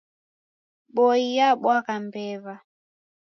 Boi yabwagha mbew'a.